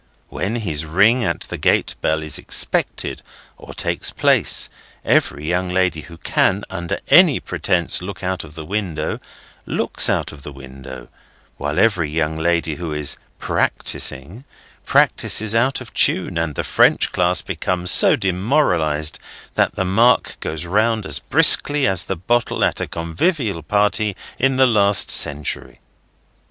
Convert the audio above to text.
When his ring at the gate bell is expected, or takes place, every young lady who can, under any pretence, look out of window, looks out of window; while every young lady who is "practising," practises out of time; and the French class becomes so demoralised that the mark goes round as briskly as the bottle at a convivial party in the last century.